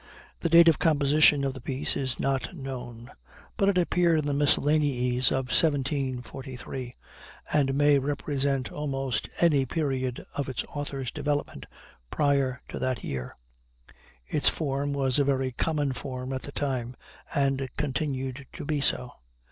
The date of composition of the piece is not known, but it appeared in the Miscellanies of 1743, and may represent almost any period of its author's development prior to that year. Its form was a very common form at the time, and continued to be so.